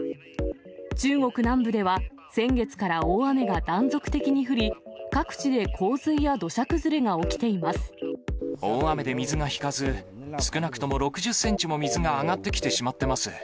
中国南部では、先月から大雨が断続的に降り、各地で洪水や土砂崩れが起きてい大雨で水が引かず、少なくとも６０センチも水が上がってきてしまってます。